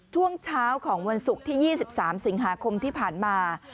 ช่วงเช้าของวันศุกร์ที่๒๓สิงหาคมที่ผ่านมา